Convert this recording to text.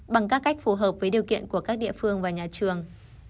bằng các cách phù hợp với điều kiện của các địa phương và nhà trường